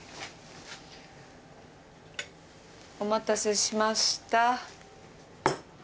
お待たせしました。